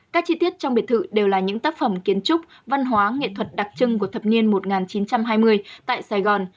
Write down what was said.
các chi tiết trong biệt thự đều là những tác phẩm kiến trúc văn hóa nghệ thuật đặc trưng của thập niên một nghìn chín trăm hai mươi tại sài gòn